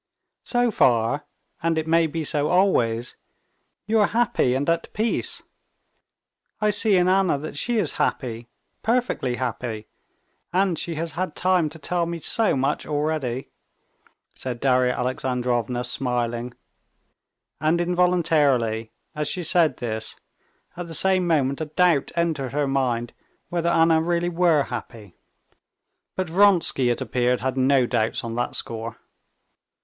"So far—and it may be so always—you are happy and at peace. I see in Anna that she is happy, perfectly happy, she has had time to tell me so much already," said Darya Alexandrovna, smiling; and involuntarily, as she said this, at the same moment a doubt entered her mind whether Anna really were happy. But Vronsky, it appeared, had no doubts on that score.